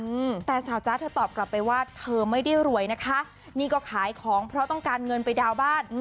อืมแต่สาวจ๊ะเธอตอบกลับไปว่าเธอไม่ได้รวยนะคะนี่ก็ขายของเพราะต้องการเงินไปดาวน์บ้าน